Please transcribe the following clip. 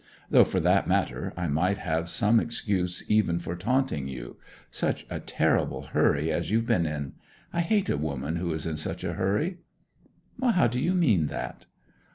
Though for that matter I might have some excuse even for taunting you. Such a terrible hurry as you've been in. I hate a woman who is in such a hurry.' 'How do you mean that?'